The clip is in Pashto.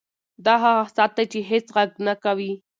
دا هغه ساعت دی چې هېڅ غږ نه کوي.